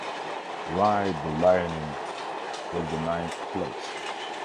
"Ride the Lightning" was the ninth place.